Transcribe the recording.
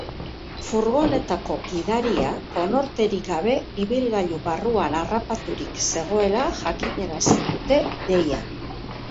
Furgonetako gidaria konorterik gabe ibilgailu barruan harrapaturik zegoela jakinarazi dute deian.